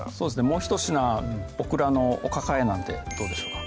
もうひと品「オクラのおかか和え」なんてどうでしょうか？